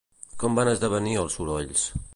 Com van esdevenir els sorolls?